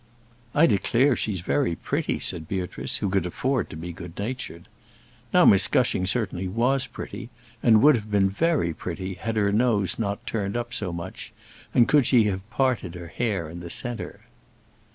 "I declare she's very pretty," said Beatrice, who could afford to be good natured. Now Miss Gushing certainly was pretty; and would have been very pretty had her nose not turned up so much, and could she have parted her hair in the centre.